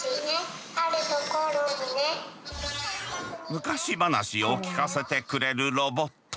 昔ばなしを聞かせてくれるロボット。